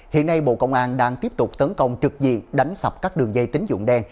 hiện nay bộ công an đang tiếp tục tấn công trực diện đánh sập các đường dây tính dụng đen